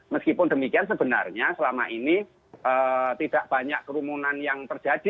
meskipun demikian sebenarnya selama ini tidak banyak kerumunan yang terjadi